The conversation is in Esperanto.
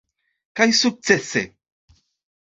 Kaj sukcese!